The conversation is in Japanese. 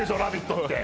って。